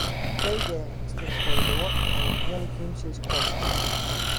De feestdagen steane foar de doar en it hearlik jûntsje is kommen.